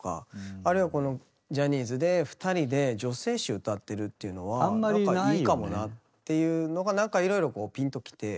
あるいはこのジャニーズで２人で女性詞を歌ってるというのはなんかいいかもなっていうのがなんかいろいろぴんときて。